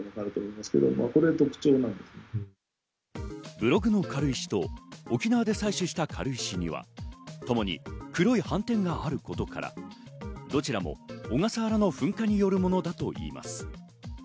ブログの軽石と沖縄で採取した軽石にはともに黒い斑点があることから、どちらも小笠原の噴火によるものだといいます。